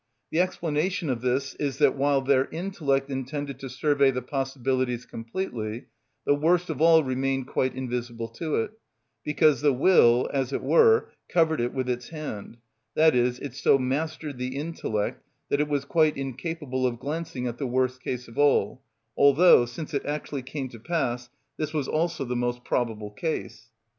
The explanation of this is, that while their intellect intended to survey the possibilities completely, the worst of all remained quite invisible to it; because the will, as it were, covered it with its hand, that is, it so mastered the intellect that it was quite incapable of glancing at the worst case of all, although, since it actually came to pass, this was also the most probable case.